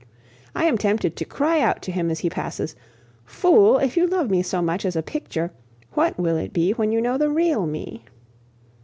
I am tempted to cry out to him as he passes, "Fool, if you love me so much as a picture, what will it be when you know the real me?"